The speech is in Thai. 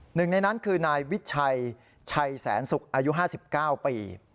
หนึ่งในนั้นคือนายวิชัยชัยแสนศุกร์อายุ๕๙ปี